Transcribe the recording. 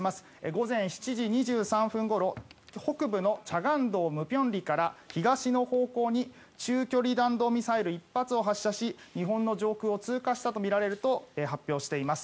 午前７時２３分ごろ北部の慈江道舞坪里から東の方向に中距離弾道ミサイル１発を発射し日本の上空を通過したとみられると発表しています。